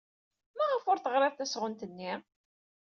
Maɣef ur teɣrid tasɣunt-nni?